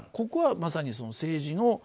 ここは、まさに政治